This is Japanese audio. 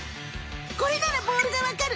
これならボールがわかる。